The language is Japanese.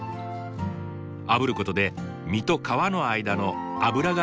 あぶることで身と皮の間の脂が溶け出すんですよ。